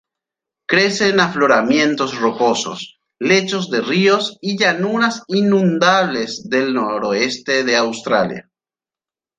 Crece en afloramientos rocosos, lechos de ríos y llanuras inundables del noroeste de Australia.